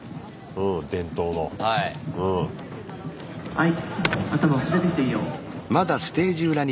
はい。